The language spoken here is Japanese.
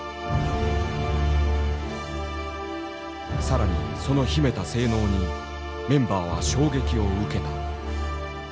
更にその秘めた性能にメンバーは衝撃を受けた。